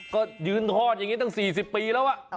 ก็ยืนทอดอย่างนี้ตั้ง๔๐ปีแล้ว